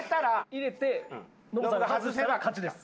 入れてノブさんが外したら勝ちです。